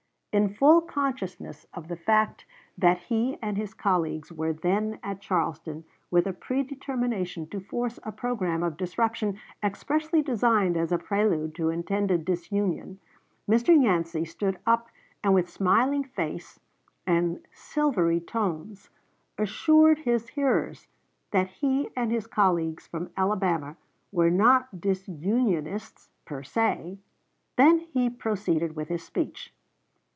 In full consciousness of the fact that he and his colleagues were then at Charleston with a predetermination to force a programme of disruption expressly designed as a prelude to intended disunion, Mr. Yancey stood up and with smiling face and silvery tones assured his hearers that he and his colleagues from Alabama were not disunionists per se. Then he proceeded with his speech.